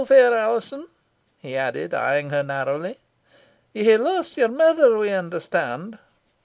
Aweel, fair Alizon," he added, eyeing her narrowly, "ye hae lost your mither, we understand?"